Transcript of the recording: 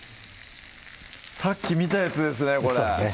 さっき見たやつですね